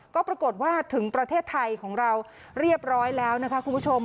ก็ปรากฏว่าถึงประเทศไทยของเราเรียบร้อยแล้วนะคะคุณผู้ชม